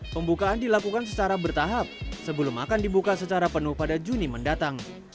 pembukaan dilakukan secara bertahap sebelum akan dibuka secara penuh pada juni mendatang